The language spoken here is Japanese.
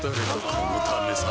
このためさ